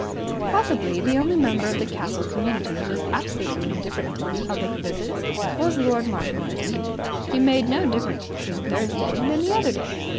Possibly the only member of the castle community who was absolutely indifferent to these public visits was Lord Marshmoreton. He made no difference between Thursday and any other day.